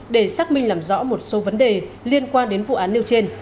để xác minh làm rõ một số vấn đề liên quan đến vụ án nêu trên